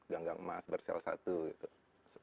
ganggang emas bersel satu gitu